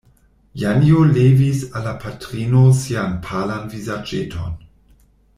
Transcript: Janjo levis al la patrino sian palan vizaĝeton.